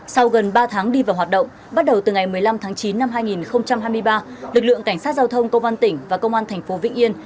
sau gần ba tháng đi vào hoạt động bắt đầu từ ngày một mươi năm tháng chín năm hai nghìn hai mươi ba lực lượng cảnh sát giao thông công an tỉnh và công an thành phố vĩnh yên